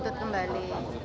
apakah tetangga hari bapak